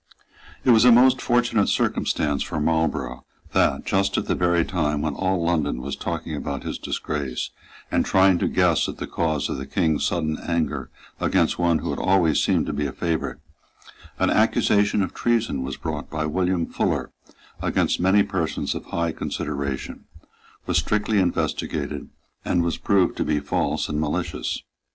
It was a most fortunate circumstance for Marlborough that, just at the very time when all London was talking about his disgrace, and trying to guess at the cause of the King's sudden anger against one who had always seemed to be a favourite, an accusation of treason was brought by William Fuller against many persons of high consideration, was strictly investigated, and was proved to be false and malicious.